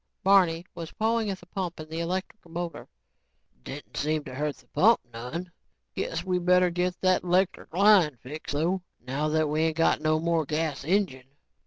Barney was pawing at the pump and electric motor. "Didn't seem to hurt the pump none. Guess we better get that 'lectric line fixed though, now that we ain't got no more gas engine."